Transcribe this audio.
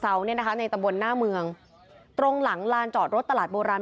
เนี่ยนะคะในตำบลหน้าเมืองตรงหลังลานจอดรถตลาดโบราณ